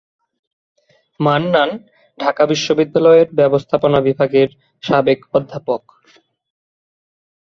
মান্নান ঢাকা বিশ্ববিদ্যালয়ের ব্যবস্থাপনা বিভাগের সাবেক অধ্যাপক।